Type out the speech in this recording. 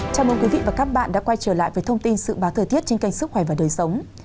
chào mừng quý vị và các bạn đã quay trở lại với thông tin dự báo thời tiết trên kênh sức khỏe và đời sống